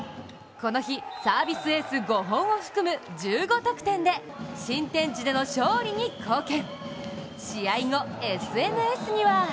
この日、サービスエース５本を含む１５得点で新天地での勝利に貢献。